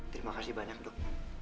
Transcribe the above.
terima kasih banyak dok